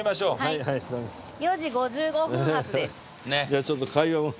じゃあちょっと会話を。